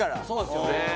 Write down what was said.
そうですよね。